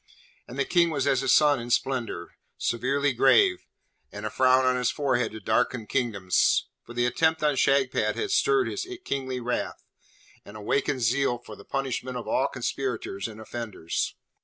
And the King was as a sun in splendour, severely grave, and a frown on his forehead to darken kingdoms, for the attempt on Shagpat had stirred his kingly wrath, and awakened zeal for the punishment of all conspirators and offenders.